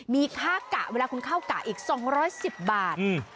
มีค่ากะเวลาคุณเข้ากะอีก๒๑๐บาท